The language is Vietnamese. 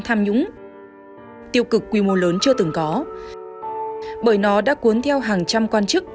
tham nhũng tiêu cực quy mô lớn chưa từng có bởi nó đã cuốn theo hàng trăm quan chức